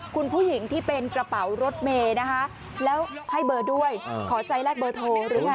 คุณผู้หญิงที่เป็นกระเป๋ารถเมย์นะคะแล้วให้เบอร์ด้วยขอใจแลกเบอร์โทรหรือไง